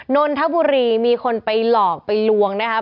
นนทบุรีมีคนไปหลอกไปลวงนะครับ